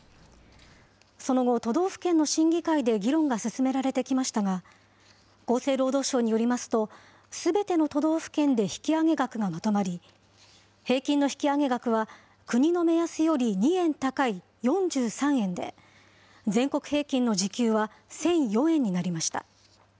その後、都道府県の審議会で議論が進められてきましたが、厚生労働省によりますと、すべての都道府県で引き上げ額がまとまり、平均の引き上げ額は、国の目安より２円高い４３円で、全国平均の時給は１００４円になりました。